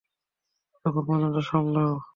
ততক্ষণ পর্যন্ত সামলাও।